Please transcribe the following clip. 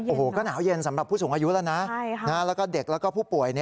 โอ้โหก็หนาวเย็นสำหรับผู้สูงอายุแล้วนะแล้วก็เด็กแล้วก็ผู้ป่วย